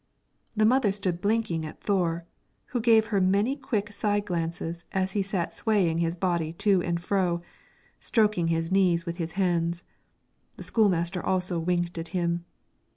The mother stood blinking at Thore, who gave her many quick side glances as he sat swaying his body to and fro, and stroking his knees with his hands. The school master also winked at him.